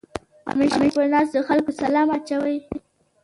همېشه په ناستو خلکو سلام اچوې.